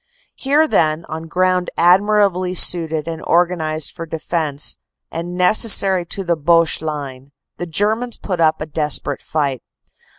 "Here, then, on ground admirably suited and organized for defense, and necessary to the Boche line, the Germans put up a desperate fight.